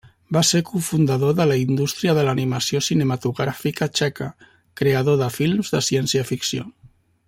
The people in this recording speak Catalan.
Va ser cofundador de la indústria de l'animació cinematogràfica txeca, creador de films de ciència-ficció.